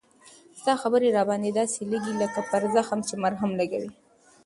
ستا خبري را باندي داسی لګیږي لکه پر زخم چې مرهم لګوې